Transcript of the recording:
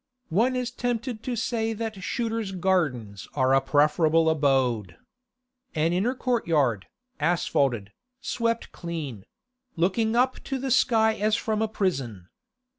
One is tempted to say that Shooter's Gardens are a preferable abode. An inner courtyard, asphalted, swept clean—looking up to the sky as from a prison.